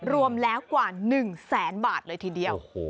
รวมแล้วกว่า๑แสนบาทเลยทีเดียว